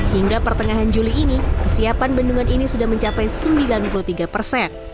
hingga pertengahan juli ini kesiapan bendungan ini sudah mencapai sembilan puluh tiga persen